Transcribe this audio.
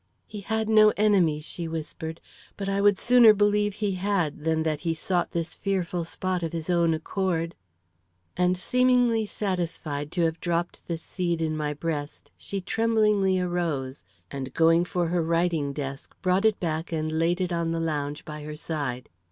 "He had no enemies," she whispered; "but I would sooner believe he had, than that he sought this fearful spot of his own accord." And seemingly satisfied to have dropped this seed in my breast, she tremblingly arose, and going for her writing desk, brought it back and laid it on the lounge by her side.